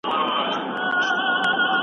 د کلمو سم استعمال په املا پوري تړلی دی.